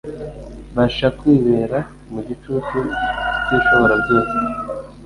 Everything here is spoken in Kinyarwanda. basha kwibera mu gicucu cy'Ishoborabyose.